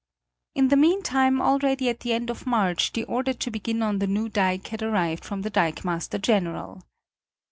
In the mean time already at the end of March the order to begin on the new dike had arrived from the dikemaster general.